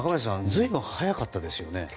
随分、早かったですね。